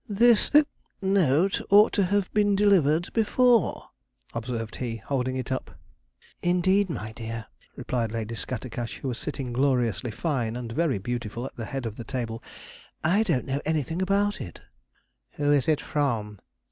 'This note ought to have been delivered before,' observed he, holding it up. 'Indeed, my dear,' replied Lady Scattercash, who was sitting gloriously fine and very beautiful at the head of the table, 'I don't know anything about it.' 'Who is it from?'